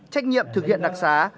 trách nhiệm thực hiện đặc sán